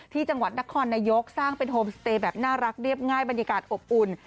ที่จังหวัดนครนายกสร้างเป็นโฮมสเตย์แบบน่ารักเรียบง่ายบรรยากาศอบอุ่น